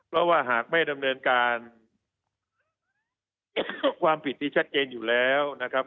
เพราะว่าหากไม่ดำเนินการความผิดที่ชัดเจนอยู่แล้วนะครับ